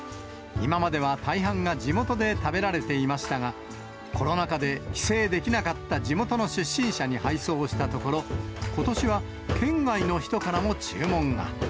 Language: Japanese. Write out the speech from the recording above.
今までは大半が地元で食べられていましたが、コロナ禍で帰省できなかった地元の出身者に配送したところ、ことしは県外の人からも注文が。